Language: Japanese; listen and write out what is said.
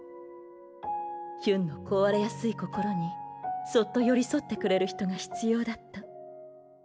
ヒュンの壊れやすい心にそっと寄り添ってくれる人が必要だった。